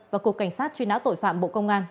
và cục cảnh sát truy nã tội phạm bộ công an